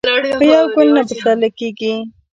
په یو ګل نه پسرلې کیږي.